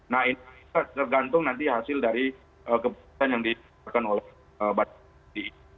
nah ini tergantung nanti hasil dari keputusan yang diperlukan oleh bantuan ketiga